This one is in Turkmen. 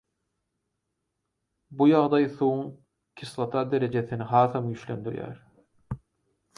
Bu ýagdaý suwuň kislota derejesini hasam güýçlendirýär.